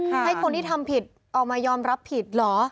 ให้คนที่ทำผิดออกมายอมรับผิดเหรอ